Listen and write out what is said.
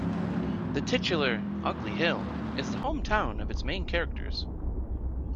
The titular "Ugly Hill" is the home town of its main characters.